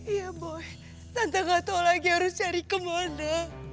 iya boy tante nggak tahu lagi harus cari kemana